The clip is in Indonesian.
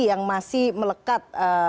yang masih melekat